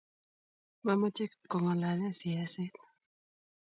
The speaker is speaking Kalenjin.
Mamechei kip kongalale siaset